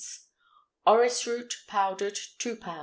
Orris root, powdered 2 lb.